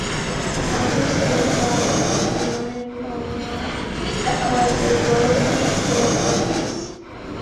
The authors state that Marinol has a low potential for abuse.